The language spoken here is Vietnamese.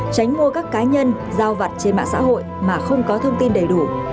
tránh mua các cá nhân giao vặt trên mạng xã hội mà không có thông tin đầy đủ